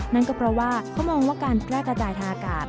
นั่นก็เพราะว่าเขามองว่าการแพร่กระจายทางอากาศ